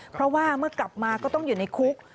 เพราะว่าเมื่อกลับมาก็ต้องอยู่ในคุก